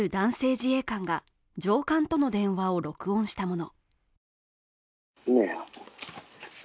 自衛官が上官との電話を録音したもの。